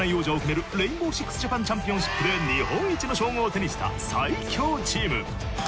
ＲＡＩＮＢＯＷＳＩＸジャパンチャンピオンシップで日本一の称号を手にした最強チーム。